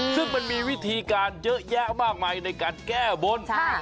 ซึ่งมันมีวิธีการเยอะแยะมากมายในการแก้บน